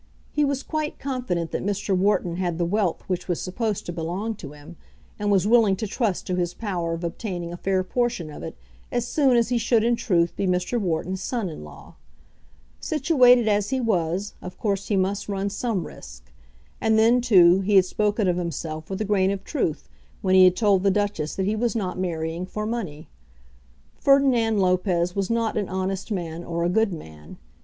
He was quite confident that Mr. Wharton had the wealth which was supposed to belong to him, and was willing to trust to his power of obtaining a fair portion of it as soon as he should in truth be Mr. Wharton's son in law. Situated as he was, of course he must run some risk. And then, too, he had spoken of himself with a grain of truth when he had told the Duchess that he was not marrying for money. Ferdinand Lopez was not an honest man or a good man.